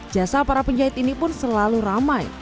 jasa para penjahit ini pun selalu ramai